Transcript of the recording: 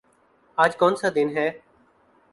آج کونسا دن ہے؟